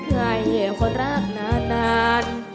ให้คนรักนาน